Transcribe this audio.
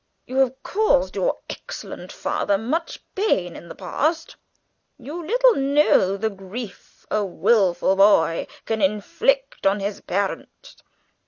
You have caused your excellent father much pain in the past. You little know the grief a wilful boy can inflict on his parent."